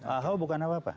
ahok bukan apa apa